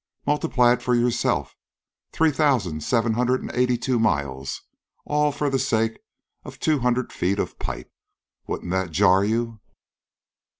Multiply it for yourself. Three thousan', seven hundred an' eighty two miles all for the sake of two hundred feet of pipe. Wouldn't that jar you?"